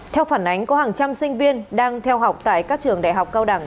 theo phản ánh có hàng trăm sinh viên đang theo học tại các trường đại học cao đẳng